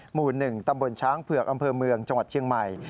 หมู่๑ตำบลช้างเผือกอำเภอเมืองจังหวัดเชียงใหม่